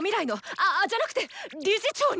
あじゃなくて理事長に！